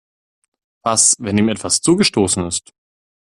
Was, wenn ihm etwas zugestoßen ist?